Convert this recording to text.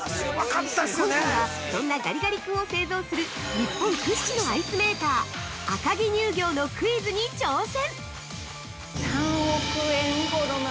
今回は、そんなガリガリ君を製造する日本屈指のアイスメーカー赤城乳業のクイズに挑戦！